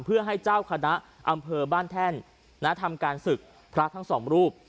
เพื่อให้เจ้าคณะอำเภอบ้านแท่นทำการศึกพระทั้งสองรูป